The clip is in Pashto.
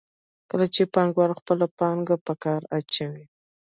کله چې پانګوال خپله پانګه په کار اچوي